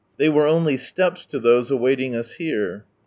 They were only steps to those awaiting us here.